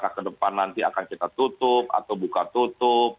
apakah ke depan nanti akan kita tutup atau buka tutup